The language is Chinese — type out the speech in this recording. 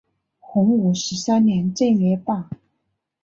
洪武十三年正月罢。